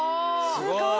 すごい！